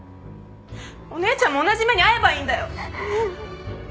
お姉ちゃんも同じ目に遭えばいいんだよ。